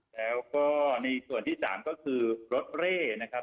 แล้วก็ในส่วนที่๓ก็คือรถเร่นะครับ